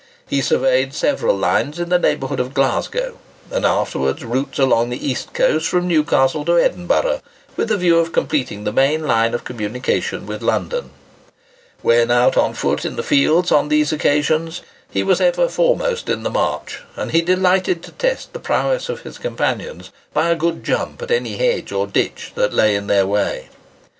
He surveyed several lines in the neighbourhood of Glasgow, and afterwards routes along the east coast from Newcastle to Edinburgh, with the view of completing the main line of communication with London. When out on foot in the fields, on these occasions, he was ever foremost in the march; and he delighted to test the prowess of his companions by a good jump at any hedge or ditch that lay in their way.